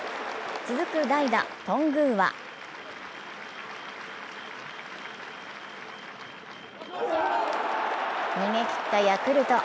続く代打・頓宮は逃げきったヤクルト。